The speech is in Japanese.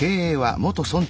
元村長。